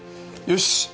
よし。